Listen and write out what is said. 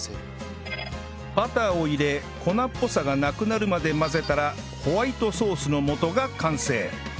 バターを入れ粉っぽさがなくなるまで混ぜたらホワイトソースの素が完成